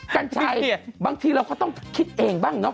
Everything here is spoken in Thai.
กัญชัยบางทีเราก็ต้องคิดเองบ้างเนาะ